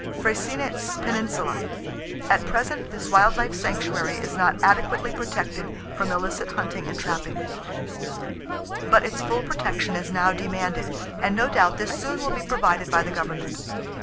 Freycinet's Peninsula.—At present this wild life sanctuary is not adequately protected from illicit hunting and trapping; but its full protection is now demanded, and no doubt this soon will be provided by the government.